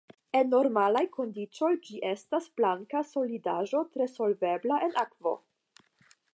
En normalaj kondiĉoj ĝi estas blanka solidaĵo tre solvebla en akvo.